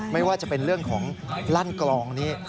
ไม่ว่าจะเป็นเรื่องของลั่นกลองนี้